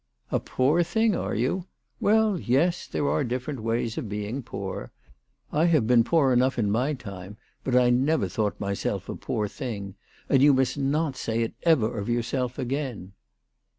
" A poor thing, are you ? "Well, yes ; there are dif ferent ways of being poor. I have been poor enough in my time, but I never thought myself a poor thing And you must not say it ever of yourself again."